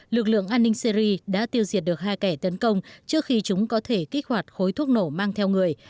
lực lượng an ninh syri đã tiêu diệt được hai kẻ tấn công trước khi chúng có thể kích hoạt khối thuốc nổ mang theo người